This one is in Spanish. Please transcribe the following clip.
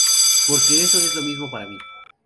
Porque eso es lo mismo para mí".